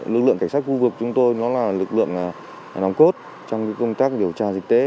lực lượng cảnh sát khu vực chúng tôi nó là lực lượng nòng cốt trong công tác điều tra dịch tễ